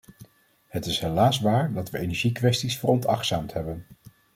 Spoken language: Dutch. Helaas is het waar dat we energiekwesties veronachtzaamd hebben.